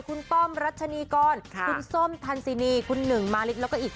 คุณป้อมรัชนีกร